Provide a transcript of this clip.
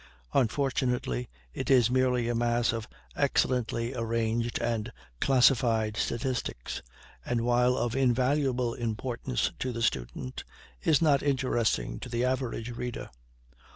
Unfortunately it is merely a mass of excellently arranged and classified statistics, and while of invaluable importance to the student, is not interesting to the average reader.